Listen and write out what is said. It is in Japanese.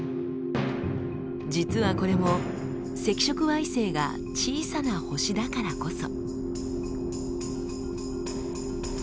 実はこれも赤色矮星が小さな星だからこそ。